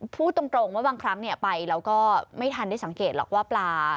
พูดตรงว่าบางครั้งไปแล้วก็ไม่ทันได้สังเกตหรอกว่าปลา